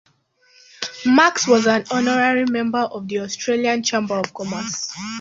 Max was an honorary member of the Australian Chamber of Commerce.